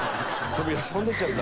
飛んでっちゃった。